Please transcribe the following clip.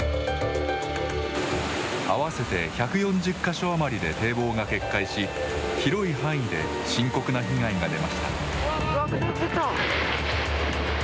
合わせて１４０か所余りで堤防が決壊し、広い範囲で深刻な被害が出ました。